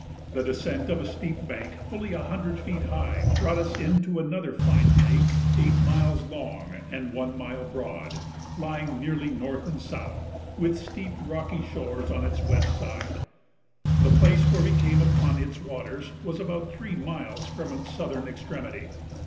The descent of a steep bank fully a hundred feet high brought us into another fine lake eight miles long and one mile broad, lying nearly north and south, with steep rocky shores on its west side: the place where we came upon its waters was about three miles from its southern extremity.